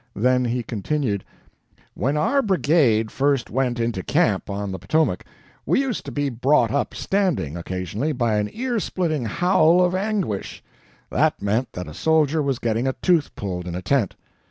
Then he continued: "When our brigade first went into camp on the Potomac, we used to be brought up standing, occasionally, by an ear splitting howl of anguish. That meant that a soldier was getting a tooth pulled in a tent.